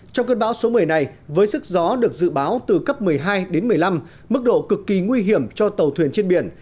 trong cơn bão số một mươi này với sức gió được dự báo từ cấp một mươi hai đến một mươi năm mức độ cực kỳ nguy hiểm cho tàu thuyền trên biển